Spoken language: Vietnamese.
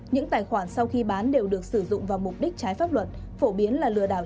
những tài khoản sau khi bán đều được sử dụng vào mục đích trái pháp luật phổ biến là lừa đảo